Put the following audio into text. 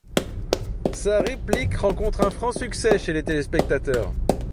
Sa réplique rencontre un franc succès chez les téléspectateurs.